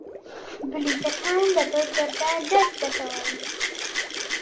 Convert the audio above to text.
بلیتەکان لە بەردەرگا دەست دەکەون.